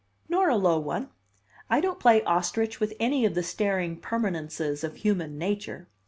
"Nor a low one. I don't play ostrich with any of the staring permanences of human nature.